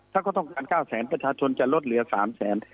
ถ้าเขาต้องการ๙แสนประชาชนจะลดเหลือ๓แสน